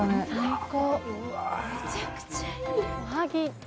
めちゃくちゃいい！